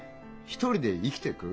独りで生きてく？